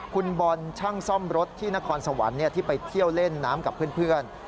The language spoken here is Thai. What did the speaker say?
คุณบอลช่างซ่อมรถที่นครสวรรค์ที่ไปเที่ยวเล่นน้ำกับเพื่อน